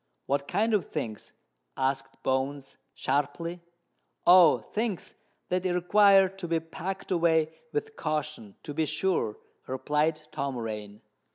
"What kind of things?" asked Bones sharply. "Oh! things that require to be packed away with caution, to be sure," replied Tom Rain.